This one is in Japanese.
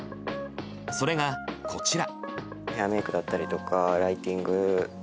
それが、こちら。